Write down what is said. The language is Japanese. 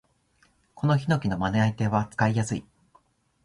このヒノキのまな板は使いやすい